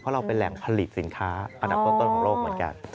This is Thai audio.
เพราะเราเป็นแหล่งผลิตสินค้าอันดับต้นของโลกเหมือนกัน